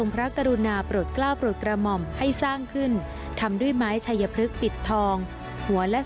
พระบาทสมเด็จพระพุทธยอดฟ้าจุลาโลกมหาราช